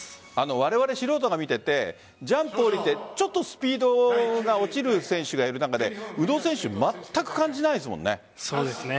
われわれ素人が見ていてジャンプ降りてちょっとスピードが落ちる選手がいる中で宇野選手そうですね。